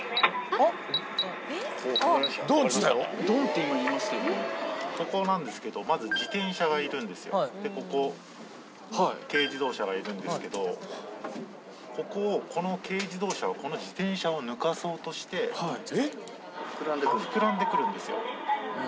どんって、ここなんですけど、まず自転車がいるんですよ、で、ここ、軽自動車がいるんですけど、ここを、この軽自動車はこの自転車を抜かそうとして、膨らんでくるんですよ。